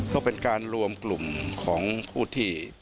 ก็เป็นการรวมกลุ่มของผู้ที่